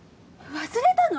忘れたの？